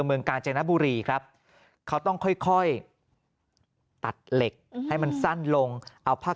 เมืองกาญจนบุรีครับเขาต้องค่อยตัดเหล็กให้มันสั้นลงเอาผ้า